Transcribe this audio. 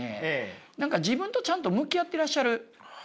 何か自分とちゃんと向き合ってらっしゃる。